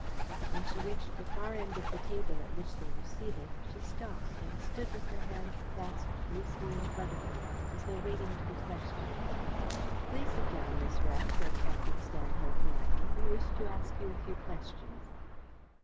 When she reached the far end of the table at which they were seated she stopped and stood with her hands clasped loosely in front of her, as though waiting to be questioned. "Please sit down, Miss Rath," said Captain Stanhill politely. "We wish to ask you a few questions."